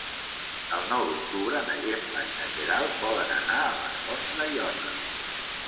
El nou d'octubre na Gemma i na Queralt volen anar a les Fonts d'Aiòder.